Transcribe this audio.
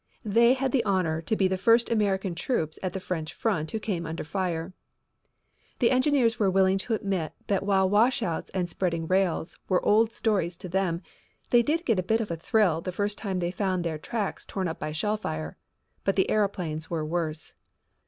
They had the honor to be the first American troops at the French front who came under fire. The engineers were willing to admit that while washouts and spreading rails were old stories to them, they did get a bit of a thrill the first time they found their tracks torn up by shellfire. But the aeroplanes were worse.